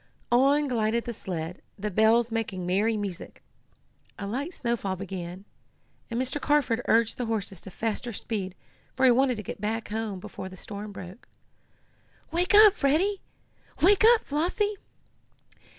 On glided the sled, the bells making merry music. A light snowfall began, and Mr. Carford urged the horses to faster speed, for he wanted to get back home before the storm broke. "Wake up, Freddie!" "Wake up, Flossie!"